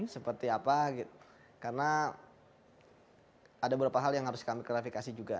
seperti apa karena ada beberapa hal yang harus kami klarifikasi juga